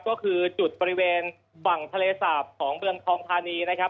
ก็คือจุดบริเวณฝั่งทะเลสาบของเมืองทองทานีนะครับ